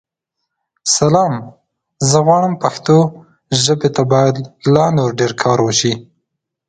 سلام؛ زه غواړم پښتو ژابې ته بايد لا نور ډير کار وشې.